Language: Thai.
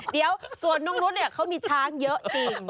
เดี๋ยวส่วนน้องนุษย์เขามีช้างเยอะจริง